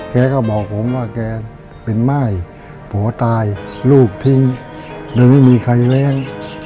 แกก็บอกผมว่าแกเป็นม่ายผัวตายลูกทิ้งโดยไม่มีใครแรง